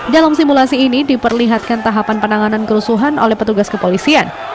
dalam simulasi ini diperlihatkan tahapan penanganan kerusuhan oleh petugas kepolisian